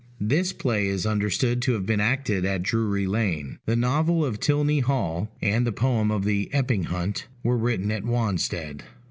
This play is understood to have been acted at Drury Lane. The novel of Tylney Hall, and the poem of the Epping Hunt, were written at Wanstead.